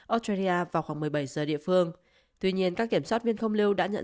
australia vào khoảng một mươi bảy giờ địa phương tuy nhiên các kiểm soát viên không lưu đã nhận